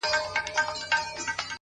زده کړه د کشف دوامداره سفر دی،